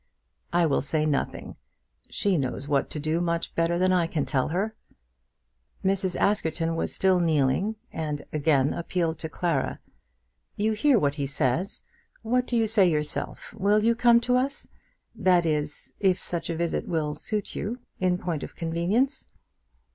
"I will say nothing. She knows what to do much better than I can tell her." Mrs. Askerton was still kneeling, and again appealed to Clara. "You hear what he says. What do you say yourself? Will you come to us? that is, if such a visit will suit you, in point of convenience?"